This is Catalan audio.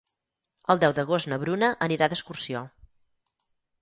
El deu d'agost na Bruna anirà d'excursió.